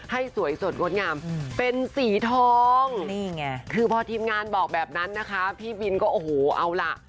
ให้สวยสดงดงามเป็นสีทองนี่ไงคือพอทีมงานบอกแบบนั้นนะคะพี่บินก็โอ้โหเอาล่ะ